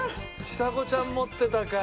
ちさ子ちゃん持ってたか。